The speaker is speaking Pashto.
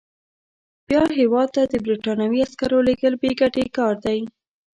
بیا هیواد ته د برټانوي عسکرو لېږل بې ګټې کار دی.